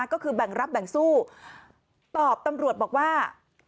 ก็คือแบ่งรับแบ่งสู้ตอบตำรวจบอกว่า